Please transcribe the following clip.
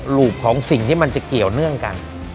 รูปของสิ่งที่มันจะเกี่ยวเนื่องกัน